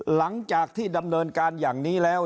หลังจากที่ดำเนินการอย่างนี้แล้ว